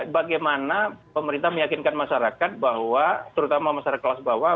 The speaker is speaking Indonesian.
bagaimana pemerintah meyakinkan masyarakat bahwa terutama masyarakat kelas bawah